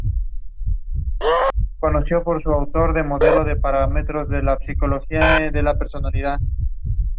Demand for the car was very strong.